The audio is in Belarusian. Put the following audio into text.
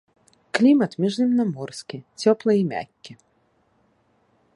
Клімат міжземнаморскі, цёплы і мяккі.